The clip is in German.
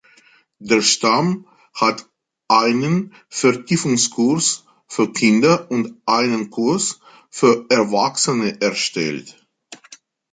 Der Stamm hat einen Vertiefungskurs für Kinder und einen Kurs für Erwachsene erstellt.